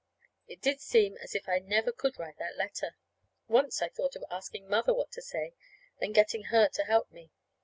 It did seem as if I never could write that letter. Once I thought of asking Mother what to say, and getting her to help me.